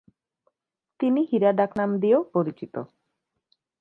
তিনি হিরা ডাক নাম দিয়েও পরিচিত।